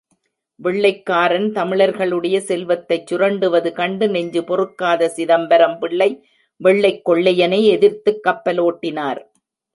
வெள்ளைக்காரன் தமிழர்களுடைய செல்வத்தைச் சுரண்டுவது கண்டு நெஞ்சு பொறுக்காத சிதம்பரம் பிள்ளை வெள்ளைக் கொள்ளையனை எதிர்த்துக் கப்பலோட்டினார்!